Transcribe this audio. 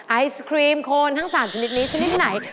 ไอศครีมโคนทั้ง๓ชนิดนี้ชนิดที่ไหน